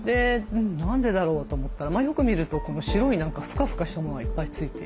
何でだろうと思ったらよく見ると白いフカフカしたものがいっぱい付いている。